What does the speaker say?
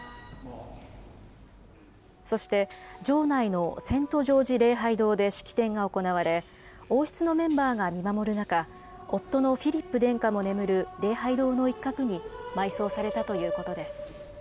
そして城内のセントジョージ礼拝堂で式典が行われ王室のメンバーが見守る中夫のフィリップ殿下も眠る礼拝堂の一角に埋葬されたということです。